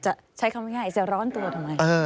ใช้คำว่าง่ายจะร้อนตัวทำไม